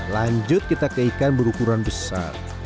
lanjut kita ke ikan berukuran besar